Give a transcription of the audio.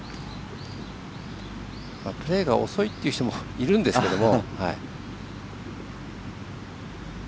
プレーが遅いという人もいるんですけども。